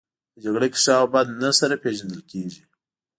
په جګړه کې ښه او بد نه سره پېژندل کیږي